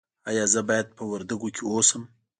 ایا زه باید په وردګو کې اوسم؟